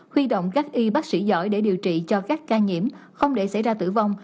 huy động các y bác sĩ giỏi để điều trị cho các ca nhiễm không để xảy ra tử vong